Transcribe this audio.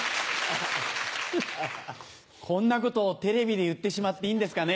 こんなことをテレビで言ってしまっていいんですかね。